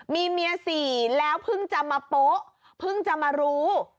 มีเมียสี่แล้วเพิ่งจะมาโป๊ะเพิ่งจะมารู้